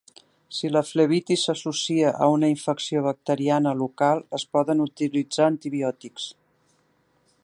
Si la flebitis s'associa a una infecció bacteriana local, es poden utilitzar antibiòtics.